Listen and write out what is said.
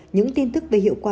những tin tức về hiệu quả